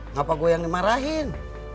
ngapa gue yang dimarahin